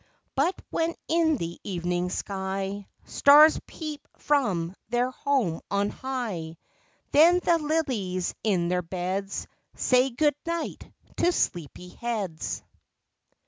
But when in the evening sky Stars peep from their home on high, Then the lillies in their beds Say good night to sleepy heads.